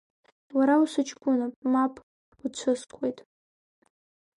Уара усыҷкәынам, мап уцәыскуеит…